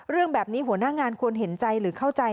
เรื่องแบบนี้หัวหน้างานควรเห็นใจหรือเข้าใจ